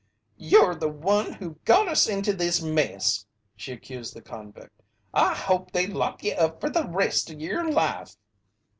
"Ye'r the one who got us into this mess!" she accused the convict. "I hope they lock ye up fer the rest o' y'er life!"